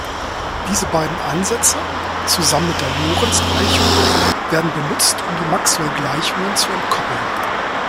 Diese beiden Ansätze, zusammen mit der Lorenz-Eichung, werden benutzt, um die Maxwellgleichungen zu entkoppeln.